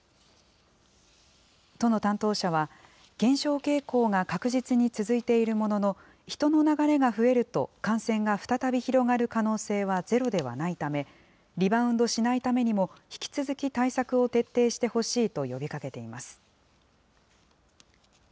都の担当者は、減少傾向が確実に続いているものの、人の流れが増えると感染が再び広がる可能性はゼロではないため、リバウンドしないためにも、引き続き対策を徹底してほしいと呼びかけています。